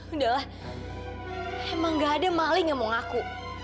udah lah emang gak ada maling yang mau ngaku